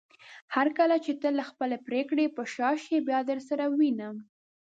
هرکله چې ته له خپلې پریکړې په شا شې بيا درسره وينم